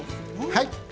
はい。